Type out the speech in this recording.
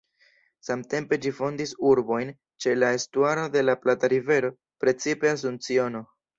Samtempe ĝi fondis urbojn ĉe la estuaro de la Plata-rivero, precipe Asunciono.